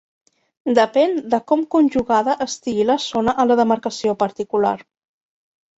Depèn de com conjugada estigui la zona a la demarcació particular.